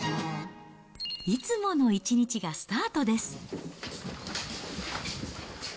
いつもの１日がスタートです。